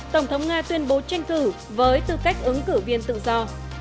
tổng thống nga tuyên bố tranh cử với tư cách ứng cử viên tự do